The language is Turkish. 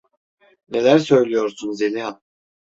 Neler söylüyorsun Zeliha?